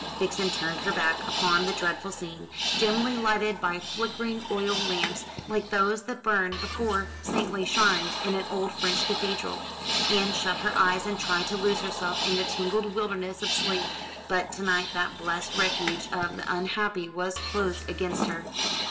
Vixen turned her back upon the dreadful scene dimly lighted by flickering oil lamps, like those that burn before saintly shrines in an old French cathedral and shut her eyes and tried to lose herself in the tangled wilderness of sleep. But to night that blessed refuge of the unhappy was closed against her.